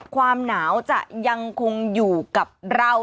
ความหนาวจะยังคงอยู่กับเรา